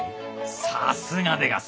さすがでがす！